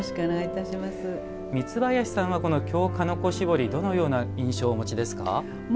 三林さんは、この京鹿の子絞りどのような印象をお持ちですか？